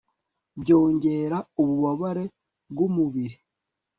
byongera ububabare bwu mubiri